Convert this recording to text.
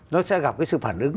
nó sẽ gặp cái sự phản ứng